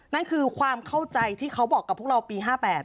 นั่นคือความเข้าใจที่เขาบอกกับพวกเราปี๕๘